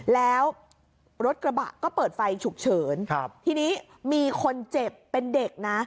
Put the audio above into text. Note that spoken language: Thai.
แล้วรถกระบะก็เปิดไฟฉุกเฉินครับทีนี้มีคนเจ็บเป็นเด็กนะ